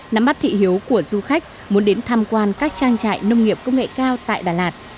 nắm bắt thị hiếu của du khách muốn đến tham quan các trang trại nông nghiệp công nghệ cao tại đà lạt